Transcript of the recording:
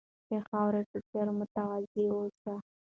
د خاورې په څېر متواضع اوسئ.